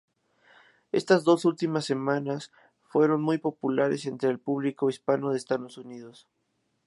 Estas dos últimas fueron muy populares entre el público hispano de Estados Unidos.